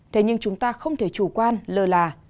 thế nhưng chúng ta không thể chủ quan lờ là